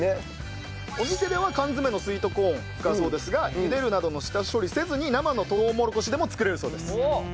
お店では缶詰のスイートコーンを使うそうですが茹でるなどの下処理せずに生のとうもろこしでも作れるそうです。